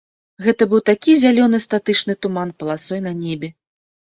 Гэта быў такі зялёны статычны туман паласой на небе.